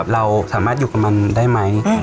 เราสามารถอยู่กับมันได้ไหม